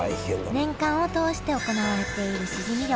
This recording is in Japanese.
年間を通して行われているしじみ漁。